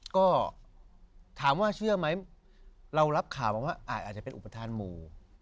ก็ถามว่าเชื่อไหมเรารับข่าวมาว่าอาจจะเป็นอุปทานหมู่